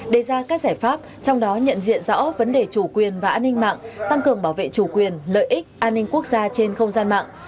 đề ra các giải pháp trong đó nhận diện rõ vấn đề chủ quyền và an ninh mạng tăng cường bảo vệ chủ quyền lợi ích an ninh quốc gia trên không gian mạng